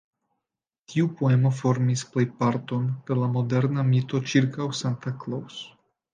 Tiu poemo formis plejparton de la moderna mito ĉirkaŭ Santa Claus.